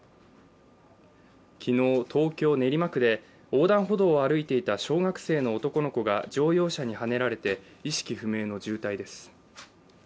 昨日、東京・練馬区で横断歩道を歩いていた小学生の男の子が乗用車にはねられて意識不明の重体です。